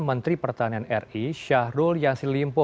menteri pertanian ri syahrul yassin limpo